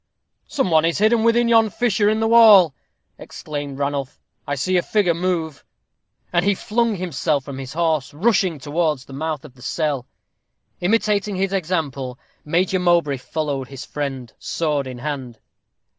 "Some one is hidden within yon fissure in the wall," exclaimed Ranulph; "I see a figure move." And he flung himself from his horse, rushing towards the mouth of the cell. Imitating his example, Major Mowbray followed his friend, sword in hand.